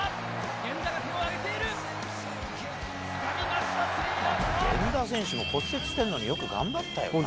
また源田選手も骨折してるのによく頑張ったよな。